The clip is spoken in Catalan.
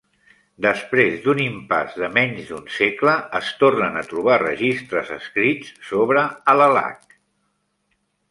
Després d'un impàs de menys d'un segle, es tornen a trobar registres escrits sobre Alalakh.